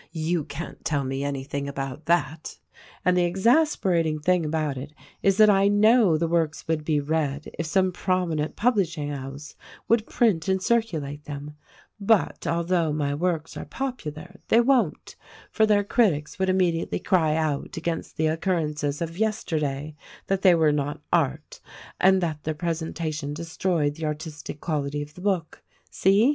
You can't tell me anything about that. And the exasperating thing about it is that I know the works would be read if some prominent publishing house would print and circulate them ; but, although my works are popular, they won't, — for their critics would immediately cry out against the occurrences of yesterday that they were not art and that their presentation destroyed the artistic quality of the book. See?